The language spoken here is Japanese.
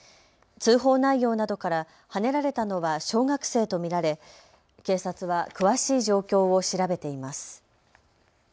通報内容などからはねられたのは小学生と見られ警察は詳しい状況を調べています。